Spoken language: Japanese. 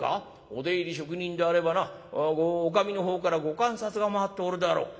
お出入り職人であればなおかみの方からご鑑札が回っておるであろう。